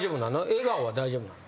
笑顔は大丈夫なの？